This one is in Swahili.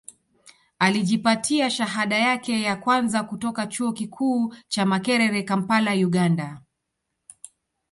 Alijipatia shahada yake ya kwanza kutoka Chuo Kikuu cha Makerere Kampala Uganda